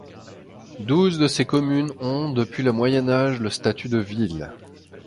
Douze de ces communes ont, depuis le moyen-âge, le statut de ville.